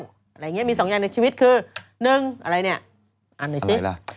อะไรอย่างนี้มีสองอย่างในชีวิตคือ๑อะไรเนี่ยอ่านหน่อยสิ